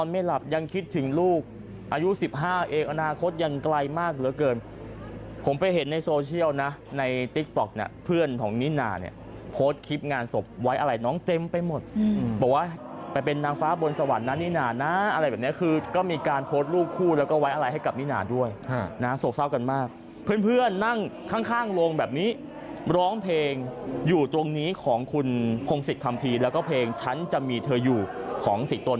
มากเหลือเกินผมไปเห็นในโซเชียลนะในติ๊กต๊อกนะเพื่อนของนี่นาเนี่ยโพสต์คลิปงานศพไว้อะไรน้องเต็มไปหมดบอกว่าไปเป็นนางฟ้าบนสวรรค์นะนี่นานะอะไรแบบนี้คือก็มีการโพสต์ลูกคู่แล้วก็ไว้อะไรให้กับนี่นาด้วยนะโศกเศร้ากันมากเพื่อนนั่งข้างโรงแบบนี้ร้องเพลงอยู่ตรงนี้ของคุณพงศิษย์คัมภีร์แล้วก็